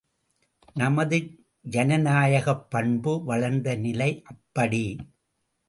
நமது ஜனநாயகப் பண்பு வளர்ந்த நிலை அப்படி!